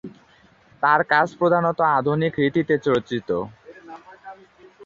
তাঁর কাজ প্রধানত আধুনিক রীতিতে রচিত।